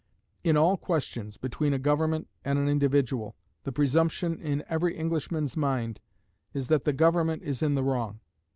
In all questions between a government and an individual, the presumption in every Englishman's mind is that the government is in the wrong.